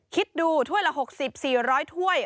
คิดดูถ้วยละ๖๐๔๐๐ถ้วย